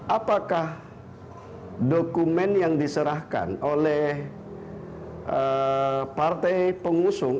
apakah dokumen yang diserahkan oleh partai pengusung